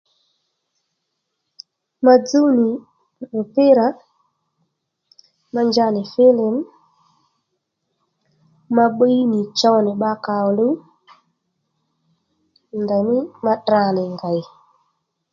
Ma dzúw nì mùpirà ma nja nì fílìm ma bbíy nì chow nì bba kàò luw ndèymí ma tdra nì ngèy